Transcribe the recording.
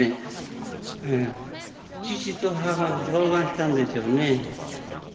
父と母相談したんでしょうね。